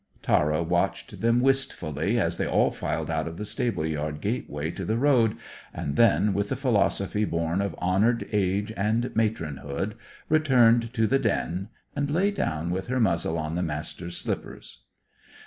Tara watched them wistfully as they all filed out of the stable yard gateway to the road, and then, with the philosophy born of honoured age and matronhood, returned to the den and lay down with her muzzle on the Master's slippers.